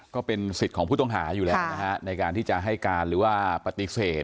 ก็เป็นสิทธิ์ของผู้ต้องหาอยู่แล้วนะฮะในการที่จะให้การหรือว่าปฏิเสธ